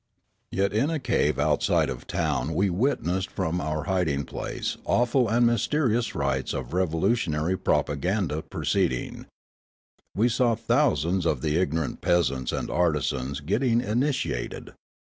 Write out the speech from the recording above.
Yet in a cave outside of the town we witnessed from our hiding place awful and mysterious rites of a re volutionary propaganda proceeding. We saw thousands of the ignorant peasants and artisans getting initiated.